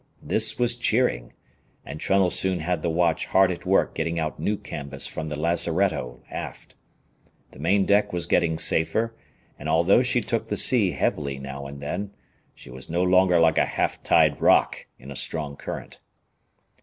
This was cheering, and Trunnell soon had the watch hard at work getting out new canvas from the lazaretto aft. The main deck was getting safer, and although she took the sea heavily now and then, she was no longer like a half tide rock in a strong current.